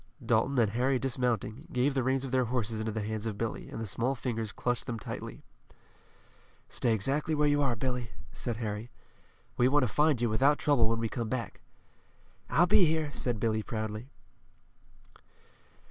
Dalton and Harry dismounting, gave the reins of their horses into the hands of Billy, and the small fingers clutched them tightly. "Stay exactly where you are, Billy," said Harry. "We want to find you without trouble when we come back." "I'll be here," said Billy proudly.